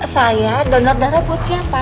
saya donor darah buat siapa